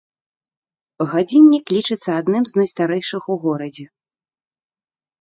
Гадзіннік лічыцца адным з найстарэйшых у горадзе.